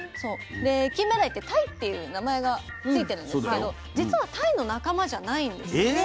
でキンメダイってタイっていう名前が付いてるんですけど実はタイの仲間じゃないんですよ。